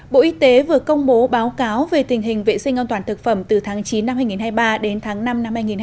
bộ y tế vừa công bố báo cáo về tình hình vệ sinh an toàn thực phẩm từ tháng chín năm hai nghìn hai mươi ba đến tháng năm năm hai nghìn hai mươi bốn